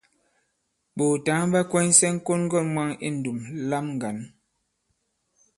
Ɓòòtǎŋ ɓa kwɛnysɛ ŋ̀kon-ŋgɔ̂n mwaŋ i ndùm lam ŋgǎn.